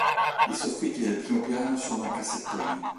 I soffitti del primo piano sono a cassettoni.